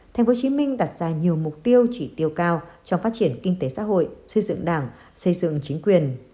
tp hcm đặt ra nhiều mục tiêu chỉ tiêu cao trong phát triển kinh tế xã hội xây dựng đảng xây dựng chính quyền